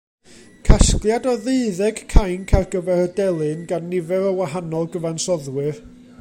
Casgliad o ddeuddeg cainc ar gyfer y delyn gan nifer o wahanol gyfansoddwyr.